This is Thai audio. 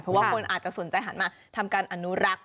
เพราะว่าคนอาจจะสนใจหันมาทำการอนุรักษ์